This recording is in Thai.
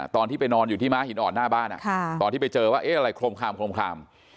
ตอนที่ไปนอนอยู่ที่ม้าหินอ่อนหน้าบ้านตอนที่ไปเจอว่าเอ๊ะอะไรโครมคลาม